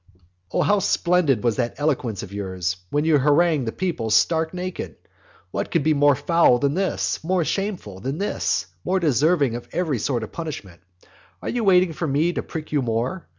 Oh how splendid was that eloquence of yours, when you harangued the people stark naked! What could be more foul than this? more shameful than this? more deserving of every sort of punishment? Are you waiting for me to prick you more?